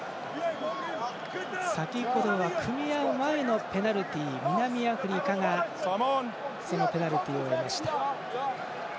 先ほどは組み合う前のペナルティ南アフリカが、そのペナルティ。